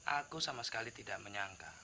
aku sama sekali tidak menyangka